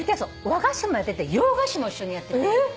和菓子もやってて洋菓子も一緒にやってて。